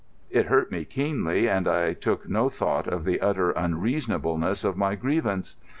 It hurt me keenly, and I took no thought of the utter unreasonableness of my grievance.